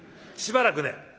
しばらくね